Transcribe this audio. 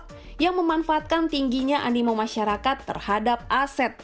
nah selain memahami instrumen crypto sebaiknya anda melakukan pengecekan dari legalitas perusahaan atau pedagang